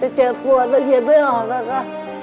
จะเจ็บกวนและเย็นไม่ออกนะคะ